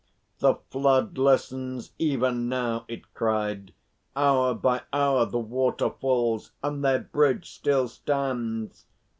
"The flood lessens even now," it cried. "Hour by hour the water falls, and their bridge still stands!"